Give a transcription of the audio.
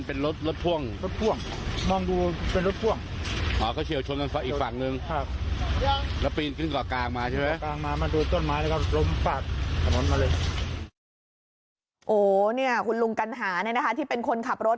โอ้โหคุณลุงกัณหาที่เป็นคนขับรถ